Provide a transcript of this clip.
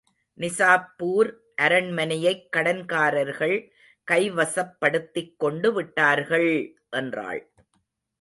நிசாப்பூர் அரண்மனையைக் கடன்காரர்கள் கைவசப்படுத்திக் கொண்டு விட்டார்கள்! என்றாள்.